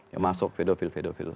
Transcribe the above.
ya masuk pedofil pedofil